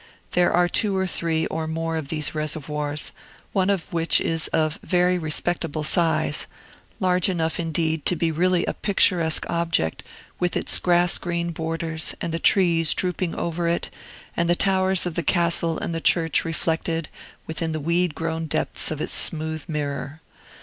There are two or three, or more, of these reservoirs, one of which is of very respectable size, large enough, indeed, to be really a picturesque object, with its grass green borders, and the trees drooping over it, and the towers of the castle and the church reflected within the weed grown depths of its smooth mirror.